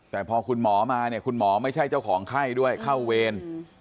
แต่พอคุณหมอมาเนี่ยคุณหมอไม่ใช่เจ้าของไข้ด้วยเข้าเวร